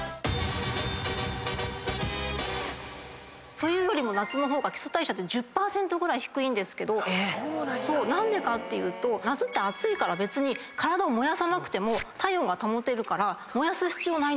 冬よりも夏の方が基礎代謝って１０％ぐらい低いんですけど何でかというと夏って暑いから別に体を燃やさなくても体温が保てるから燃やす必要ないんです。